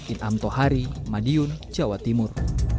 inam tohari madiun jawa timur